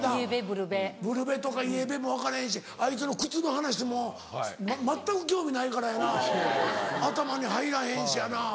ブルベとかイエベも分かれへんしあいつの靴の話も全く興味ないからやな頭に入らへんしやな。